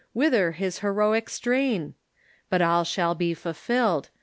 wither his heroic strain ? But all sliall be fulfilled.